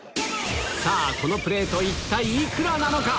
さぁこのプレート一体幾らなのか？